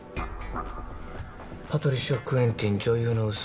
パトリシア・クエンティン「女優の嘘」